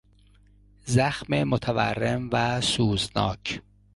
زخم متورم و سوزناک